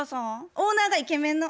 オーナーがイケメンの。